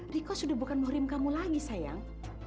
riko sudah bukan nurim kamu lagi sayang